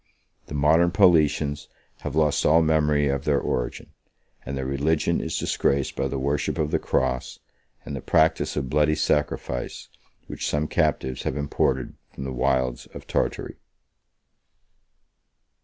The modern Paulicians have lost all memory of their origin; and their religion is disgraced by the worship of the cross, and the practice of bloody sacrifice, which some captives have imported from the wilds of Tartary.